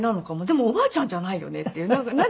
でもおばあちゃんじゃないよねっていう何かね